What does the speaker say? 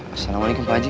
assalamualaikum pak haji